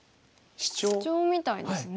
シチョウみたいですね。